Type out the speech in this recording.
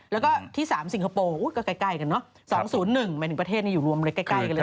แล้วก็ที่๓สิงคโปร์ก็ใกล้กันเนอะ๒๐๑หมายถึงประเทศอยู่รวมใกล้กันเลย